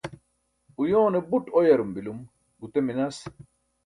uyoone buṭ uyarum bilum gute minas